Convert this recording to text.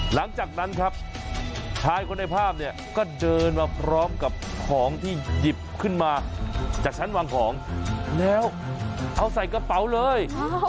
หลังจากนั้นครับชายคนในภาพเนี่ยก็เดินมาพร้อมกับของที่หยิบขึ้นมาจากชั้นวางของแล้วเอาใส่กระเป๋าเลย